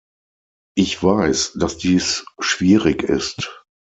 Ich weiß, dass dies schwierig ist.